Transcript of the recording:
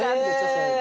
そういうの。